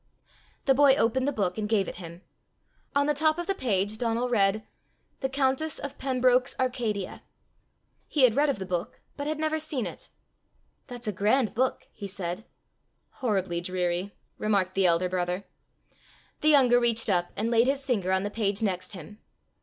The boy opened the book, and gave it him. On the top of the page Donal read, "The Countess of Pembroke's Arcadia." He had read of the book, but had never seen it. "That's a grand book!" he said. "Horribly dreary," remarked the elder brother. The younger reached up, and laid his finger on the page next him.